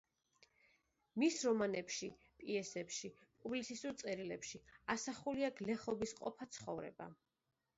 მის რომანებში, პიესებში, პუბლიცისტურ წერილებში ასახულია გლეხობის ყოფა-ცხოვრება.